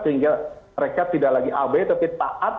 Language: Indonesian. sehingga mereka tidak lagi abai tapi taat